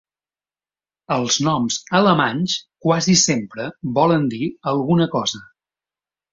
Els noms alemanys quasi sempre volen dir alguna cosa.